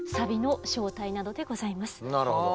なるほど。